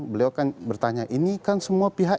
beliau kan bertanya ini kan semua pihak